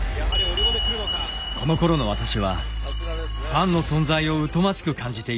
このころの私はファンの存在を疎ましく感じていました。